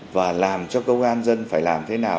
và làm cho công an dân phải làm thế nào